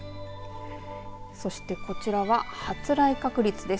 そして、こちらは発雷確率です。